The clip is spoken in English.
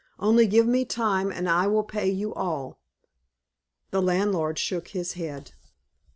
Only give me time, and I will pay you all." The landlord shook his head.